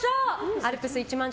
「アルプス一万尺」